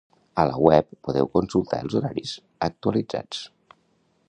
A la web podeu consultar els horaris actualitzats.